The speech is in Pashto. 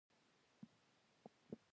په زوره یې راباندې خورې.